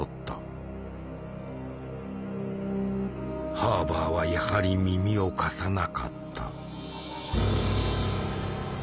ハーバーはやはり耳を貸さなかった。